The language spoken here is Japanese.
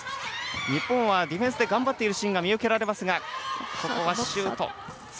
日本はディフェンスで頑張っているシーンが見受けられますが。